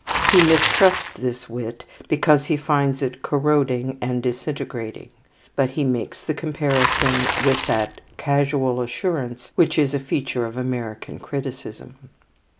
He mistrusts this wit because he finds it "corroding and disintegrating"; but he makes the comparison with that casual assurance which is a feature of American criticism.